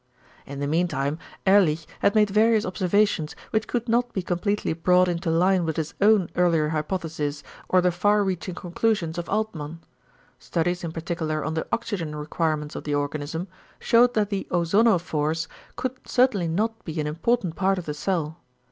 In the meantime Ehrlich had made various observations which could not be completely brought into line with his own earlier hypothesis or the far reaching conclusions of Altmann. Studies in particular on the oxygen requirements of the organism, shewed that the "ozonophores" could certainly not be an important part of the cell.